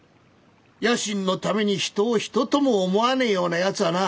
野心のために人を人とも思わねえようなやつはな